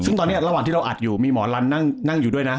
ซึ่งตอนนี้ระหว่างที่เราอัดอยู่มีหมอลันนั่งอยู่ด้วยนะ